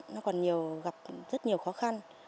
nó còn gặp rất nhiều khó khăn